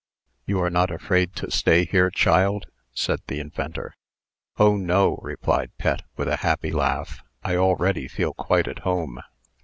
"You are not afraid to stay here, child?" said the inventor. "Oh, no," replied Pet, with a happy laugh. "I already feel quite at home."